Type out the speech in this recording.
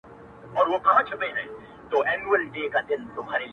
تاریخي اثار د ملت شتمني ده